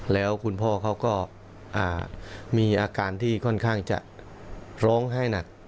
แล้วคุณพ่อเขาก็มีอาการที่ค่อนข้างจะร้องไห้หนัก